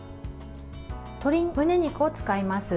鶏むね肉を使います。